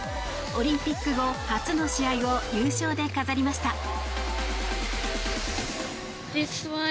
オリンピック後初の試合を優勝で飾りました。